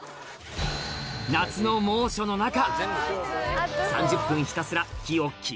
夏の猛暑の中と！